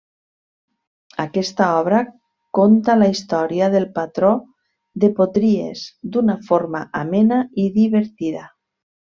Aquesta obra conta la història del patró de Potries d’una forma amena i divertida.